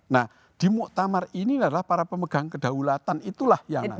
nah di muktamar ini adalah para pemegang kedaulatan itulah yang nanti